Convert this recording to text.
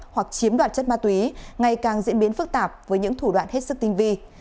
hoặc chiếm đoạt chất ma túy ngày càng diễn biến phức tạp với những thủ đoạn hết sức tinh vi